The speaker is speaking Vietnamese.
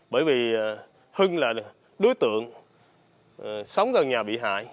bởi vì hưng là đối tượng sống gần nhà bị hại